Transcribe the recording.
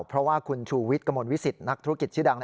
เพราะว่าคุณชูวิทย์กระมวลวิสิตนักธุรกิจชื่อดัง